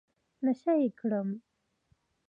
نشه يي کړم.